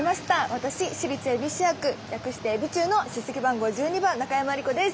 私私立恵比寿中学略してエビ中の出席番号１２番中山莉子です。